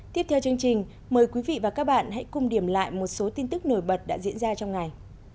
tiếp theo chương trình mời quý vị và các bạn hãy cùng điểm lại một số tin tức nổi bật đã diễn ra trong ngày